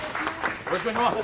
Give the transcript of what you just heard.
よろしくお願いします。